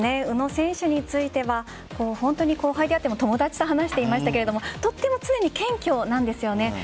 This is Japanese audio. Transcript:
宇野選手については本当に後輩であっても友達と話していましたがとても常に謙虚なんですよね。